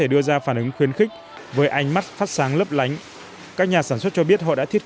đưa ra phản ứng khuyến khích với ánh mắt phát sáng lấp lánh các nhà sản xuất cho biết họ đã thiết